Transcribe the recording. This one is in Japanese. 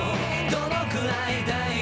「どのくらいだい？